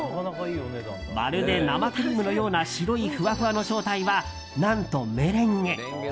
まるで生クリームのような白いふわふわの正体は何とメレンゲ。